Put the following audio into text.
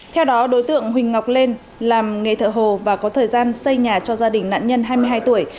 theo đó đối tượng huỳnh ngọc lên làm nghề thợ hồ và có thời gian xây nhà cho gia đình nạn nhân hai mươi hai tuổi